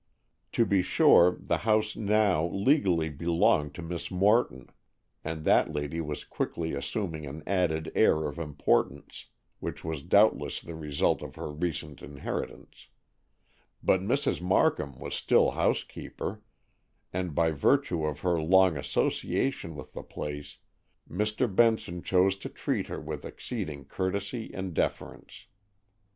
To be sure, the house now legally belonged to Miss Morton, and that lady was quickly assuming an added air of importance which was doubtless the result of her recent inheritance; but Mrs. Markham was still housekeeper, and by virtue of her long association with the place, Mr. Benson chose to treat her with exceeding courtesy and deference.